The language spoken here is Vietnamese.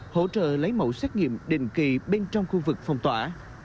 hỗ trợ lấy mẫu xét nghiệm định kỳ bên trong khu vực phong tỏa